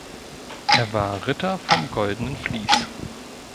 Er war Ritter vom Goldenen Vlies.